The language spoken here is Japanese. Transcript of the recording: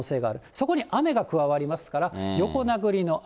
そこに雨が加わりますから、横殴りの雨。